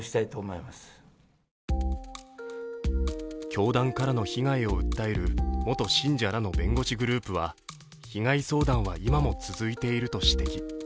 教団からの被害を訴える元信者らの弁護士グループは被害相談は今も続いていると指摘。